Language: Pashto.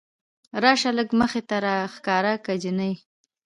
راشه لږ مخ دې راښکاره که جينۍ